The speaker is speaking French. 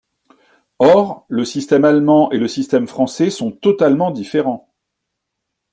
Or, le système allemand et le système français sont totalement différents.